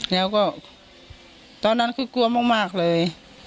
แล้วก็ตอนนั้นคือกลัวมากเลย